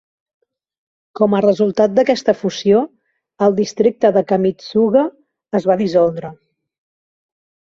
Com a resultat d'aquesta fusió, el districte de Kamitsuga es va dissoldre.